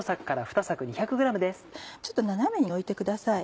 ちょっと斜めに置いてください。